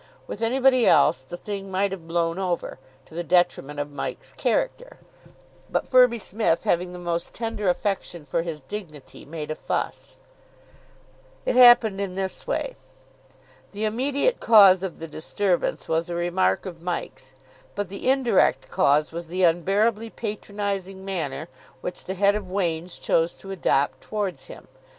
With anybody else the thing might have blown over, to the detriment of Mike's character; but Firby Smith, having the most tender affection for his dignity, made a fuss. It happened in this way. The immediate cause of the disturbance was a remark of Mike's, but the indirect cause was the unbearably patronising manner which the head of Wain's chose to adopt towards him.